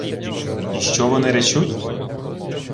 — Й що вони речуть?